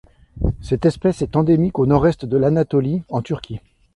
Cette espèce est endémique au nord-est de l'Anatolie en Turquie.